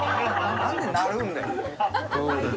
何で鳴るんだよ。